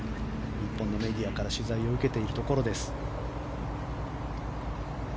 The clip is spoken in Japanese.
日本のメディアから取材を受けているところです。